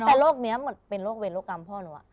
แต่ว่าร่วงเป็นเหวรโรคกรรมพ่อนุ